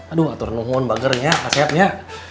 aduh atur nungun bagernya kasetnya